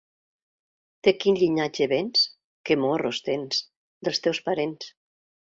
De quin llinatge vens, que morros tens? —Dels teus parents.